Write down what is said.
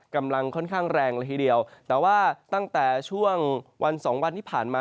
กำลังค่อนข้างแรงละทีเดียวแต่ว่าตั้งแต่ช่วงวันสองวันที่ผ่านมา